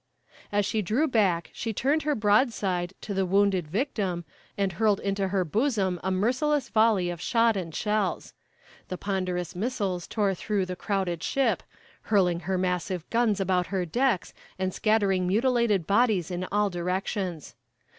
"As she drew back she turned her broadside to the wounded victim, and hurled into her bosom a merciless volley of shot and shells. The ponderous missiles tore through the crowded ship, hurling her massive guns about her decks, and scattering mutilated bodies in all directions.